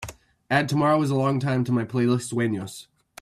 Add Tomorrow Is a Long Time to my playlist Sueños